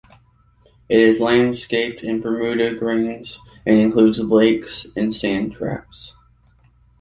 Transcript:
It is landscaped in Bermuda Greens and includes lakes and sand traps.